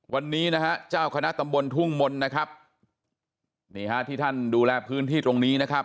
วันนี้เจ้าคณะตำบลทุ่งมนต์ที่ท่านดูแลพื้นที่ตรงนี้